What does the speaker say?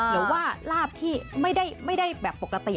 หรือว่าลาบที่ไม่ได้แบบปกติ